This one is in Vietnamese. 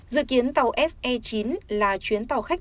dự kiến tàu se chín là chuyến tàu khách